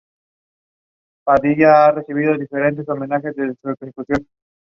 These women play a central role in the village culture.